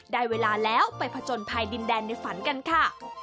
ได้เวลาแล้วไปผจญภัยดินแดนในฝันกันค่ะ